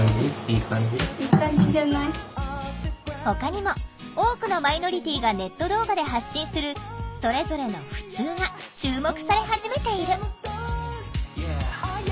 ほかにも多くのマイノリティーがネット動画で発信するそれぞれの「ふつう」が注目され始めている。